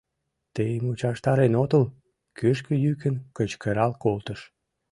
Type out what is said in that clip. Тый мучыштарен отыл? — кӱжгӧ йӱкын кычкырал колтыш.